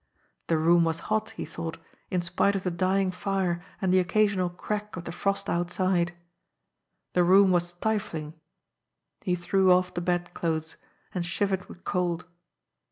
The room was hot, he thought, m spite of the dying fire and the occasional crack of the frost outside. The room was stifling. He threw off the bed clothes, and shivered with cold.